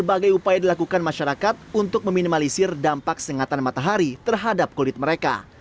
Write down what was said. berbagai upaya dilakukan masyarakat untuk meminimalisir dampak sengatan matahari terhadap kulit mereka